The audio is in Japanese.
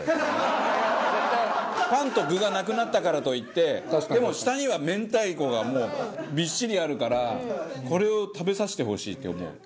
パンと具がなくなったからといってでも下には明太子がもうビッシリあるからこれを食べさせてほしいって思う。